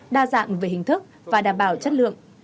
đa dạng về hình thức và đảm bảo chất lượng